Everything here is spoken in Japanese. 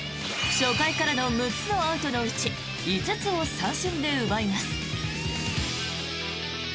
初回からの６つのアウトのうち５つを三振で奪います。